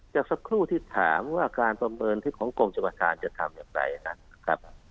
จากสักครู่ที่ถามว่าการประเมินที่ของกรมชมการจะทำอย่างไรนะครับ